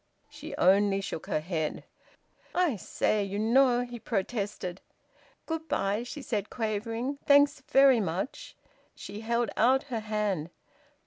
She only shook her head. "I say you know " he protested. "Good bye," she said, quavering. "Thanks very much." She held out her hand.